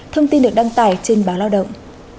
thông tin được đăng tải trên báo lao động